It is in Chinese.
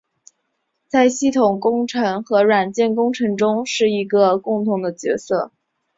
这在系统工程和软体工程中是一个共同的角色。